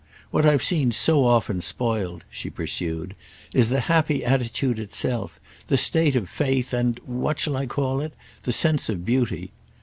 What I've seen so often spoiled," she pursued, "is the happy attitude itself, the state of faith and—what shall I call it?—the sense of beauty.